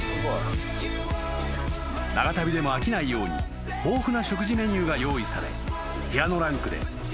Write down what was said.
［長旅でも飽きないように豊富な食事メニューが用意され］